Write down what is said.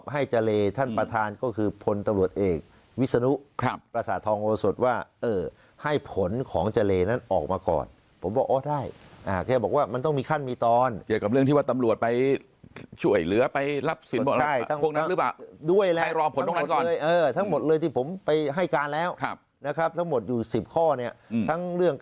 ให้เจรท่านประธานก็คือพลตำรวจเอกวิศนุประสาททองโอสดว่าเออให้ผลของเจรนั้นออกมาก่อนผมบอกอ๋อได้แค่บอกว่ามันต้องมีขั้นมีตอนเกี่ยวกับเรื่องที่ว่าตำรวจไปช่วยเหลือไปรับสินบอกได้ทั้งพวกนั้นหรือเปล่าด้วยแล้วไปรอผลตรงนั้นก่อนทั้งหมดเลยที่ผมไปให้การแล้วนะครับทั้งหมดอยู่๑๐ข้อเนี่ยทั้งเรื่อง